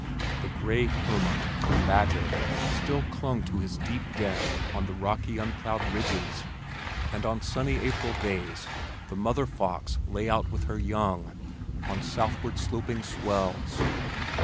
The gray hermit, the badger, still clung to his deep den on the rocky unplowed ridges, and on sunny April days the mother fox lay out with her young, on southward sloping swells.